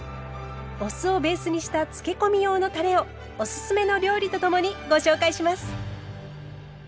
お酢をベースにしたつけ込み用のたれをおすすめの料理とともにご紹介します。